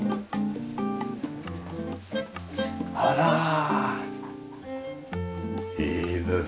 あらいいですね。